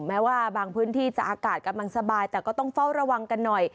แม้ว่าบางพื้นที่จะอากาศกำลังสบายแต่ก็ต้องเฝ้าระวังกันหน่อย